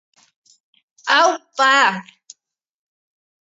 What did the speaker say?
Aupa.